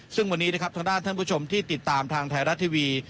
ซึ่งวันนี้นะครับทางด้านท่านผู้ชมที่ติดตามทางไทยรัฐทีวี